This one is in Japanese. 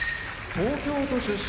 東京都出身